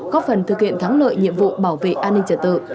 góp phần thực hiện thắng lợi nhiệm vụ bảo vệ an ninh trật tự